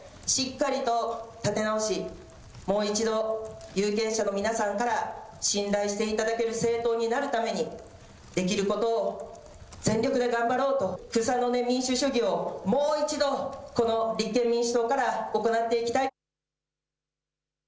立憲民主党を私自身が先頭に立ってしっかりと立て直し、もう一度、有権者の皆さんから信頼していただける政党になるためにできることを全力で頑張ろうと、民主主義をもう一度、立憲民主党から行っていきたい。